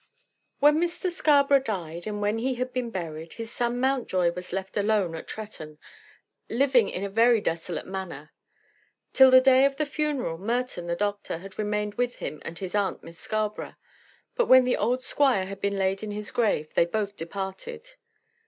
When Mr. Scarborough died, and when he had been buried, his son Mountjoy was left alone at Tretton, living in a very desolate manner. Till the day of the funeral, Merton, the doctor, had remained with him and his aunt, Miss Scarborough; but when the old squire had been laid in his grave they both departed.